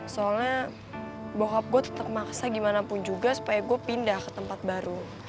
soalnya bokap gue tetep maksa gimana pun juga supaya gua pindah ke tempat baru